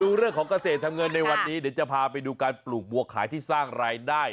เรื่องของเกษตรทำเงินในวันนี้เดี๋ยวจะพาไปดูการปลูกบัวขายที่สร้างรายได้